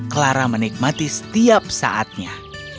clara menikmati setiap saatnya